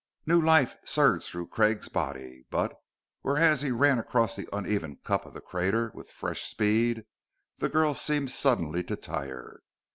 New life surged through Craig's body; but, whereas he ran across the uneven cup of the crater with fresh speed, the girl seamed suddenly to tire.